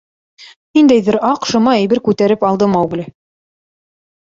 Ниндәйҙер аҡ, шыма әйбер күтәреп алды Маугли.